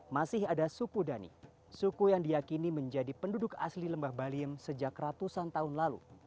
masih ada suku dhani suku yang diakini menjadi penduduk asli lembah baliem sejak ratusan tahun lalu